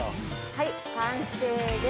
はい完成です。